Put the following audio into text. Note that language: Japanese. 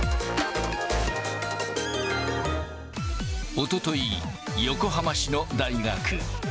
おととい、横浜市の大学。